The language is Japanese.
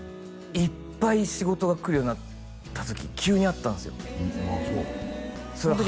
いっぱい仕事が来るようになった時急にあったんですよああそう？